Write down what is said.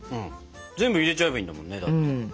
全部入れちゃえばいいんだもんね。